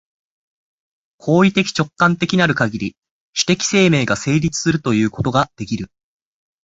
行為的直観的なるかぎり、種的生命が成立するということができる。